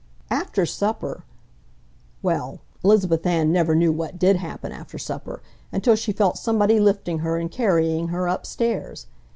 After supper—well, Elizabeth Ann never knew what did happen after supper until she felt somebody lifting her and carrying her upstairs.